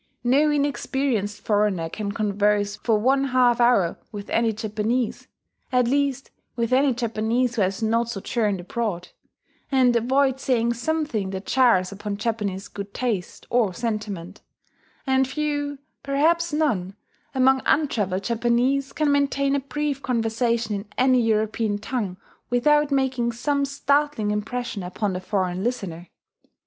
No inexperienced foreigner can converse for one half hour with any Japanese at least with any Japanese who has not sojourned abroad and avoid saying something that jars upon Japanese good taste or sentiment; and few perhaps, none among untravelled Japanese can maintain a brief conversation in any European tongue without making some startling impression upon the foreign listener.